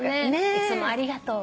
いつもありがとう。